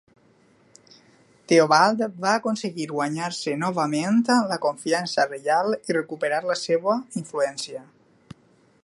Teobald va aconseguir guanyar-se novament la confiança reial i recuperar la seva influència.